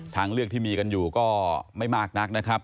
ทางเลือกที่มีกันอยู่ก็ไม่มากนักนะครับ